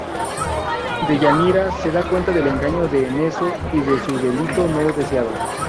Deyanira se da cuenta del engaño de Neso y de su delito no deseado.